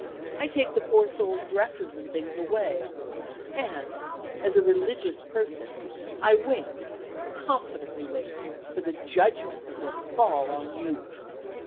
I take the poor soul's dresses and things away and as a religious person I wait, confidently wait, for the judgment that will fall on you!"